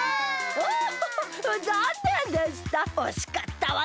おしかったわね！